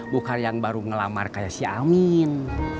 bukan yang baru ngelamar kayak si amin